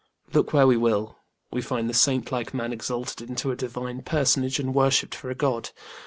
Look where we will, we find the saint like man exalted into a divine personage and worshipped for a god.